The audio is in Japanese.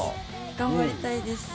頑張りたいです。